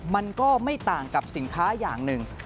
มันก็ไม่ต่างกับสินค้าอย่างหนึ่ง